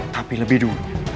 tapi lebih dulu